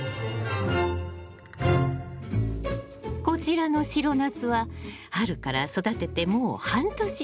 こちらの白ナスは春から育ててもう半年。